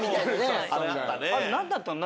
あれ何だったの？